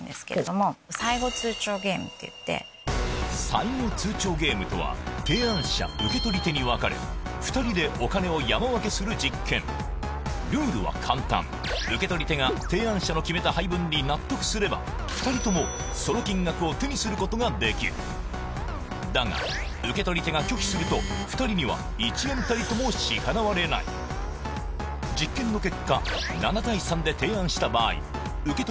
最後通牒ゲームとは提案者受け取り手に分かれ２人でお金を山分けする実験ルールは簡単受け取り手が提案者の決めた配分に納得すれば２人ともその金額を手にすることができるだが受け取り手が拒否すると２人には１円たりとも支払われない実験の結果７：３で提案した場合受け